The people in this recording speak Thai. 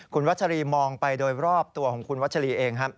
คุณวัชรีมองไปโดยรอบตัวของคุณวัชรีเองครับ